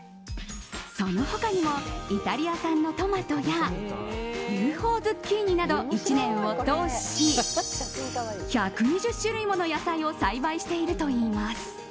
その他にもイタリア産のトマトやＵＦＯズッキーニなど１年を通し１２０種類もの野菜を栽培しているといいます。